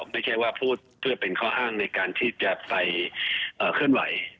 ไม่ใช่ว่าพูดเพื่อเป็นข้ออ้างในการที่จะไปเคลื่อนไหว